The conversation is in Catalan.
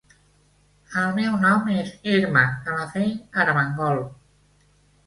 El meu nom és Irma Calafell Armengol.